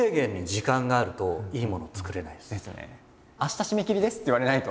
明日締め切りですって言われないと。